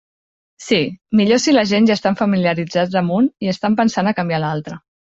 Si, millor si la gent ja estan familiaritzats amb un i estan pensant a canviar a l'altre.